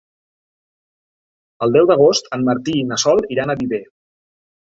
El deu d'agost en Martí i na Sol iran a Viver.